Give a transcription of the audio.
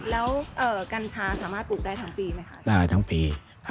แล้วกัญชาสามารถปลูกได้ทั้งปีไหมคะ